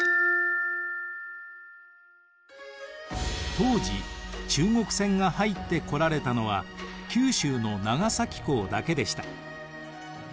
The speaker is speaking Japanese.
当時中国船が入ってこられたのは九州の長崎港だけでした。